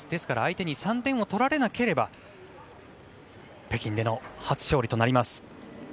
相手に３点を取られなければ北京での初勝利となります。